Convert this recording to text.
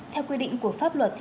theo quy định của pháp luật